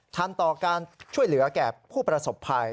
ต่อการช่วยเหลือแก่ผู้ประสบภัย